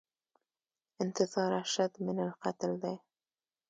انتظار اشد من القتل دی